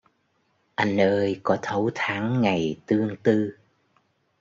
Anh ơi có thấu tháng ngày tương tư